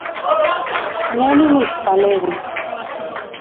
Ne nimitspaleuis